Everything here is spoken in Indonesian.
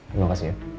terima kasih ya